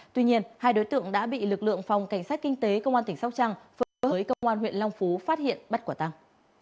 tuy nhiên hai đối tượng đã bị lực lượng phòng cảnh sát kinh tế công an tỉnh sóc trăng phối hợp với công an huyện long phú phát hiện bắt quả tăng